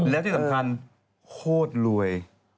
แล้วที่สำคัญโคตรรวย